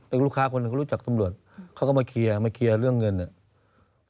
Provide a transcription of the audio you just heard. ลูกค้าคนหนึ่งเขารู้จักตำรวจเขาก็มาเคลียร์มาเคลียร์เรื่องเงินเนี่ย